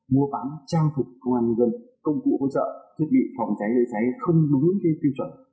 mua bán trang phục công an nhân dân công cụ hỗ trợ thiết bị phòng cháy chữa cháy không đúng tiêu chuẩn